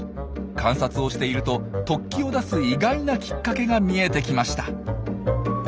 観察をしていると突起を出す意外なきっかけが見えてきました。